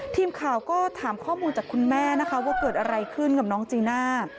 ทีมข่าวก็ถามข้อมูลจากคุณแม่นะคะว่าเกิดอะไรขึ้นกับน้องจีน่า